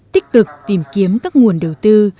tích cực tìm kiếm các nguồn đầu tư